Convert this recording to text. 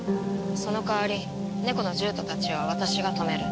その代わりネコの獣人たちは私が止める。